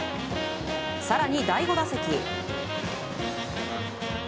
更に第５打席。